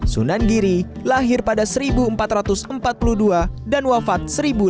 sunan giri lahir pada seribu empat ratus empat puluh dua dan wafat seribu sembilan ratus